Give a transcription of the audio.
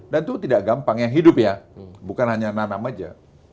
dan itu tidak gampang yang hidup ya bukan hanya nanam saja